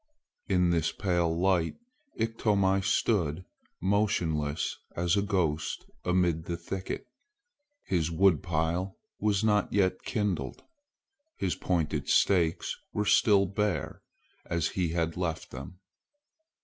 In this pale light Iktomi stood motionless as a ghost amid the thicket. His woodpile was not yet kindled. His pointed stakes were still bare as he had left them.